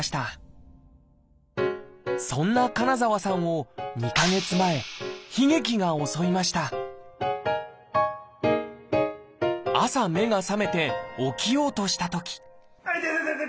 そんな金澤さんを２か月前悲劇が襲いました朝目が覚めて起きようとしたとき痛い痛い痛い！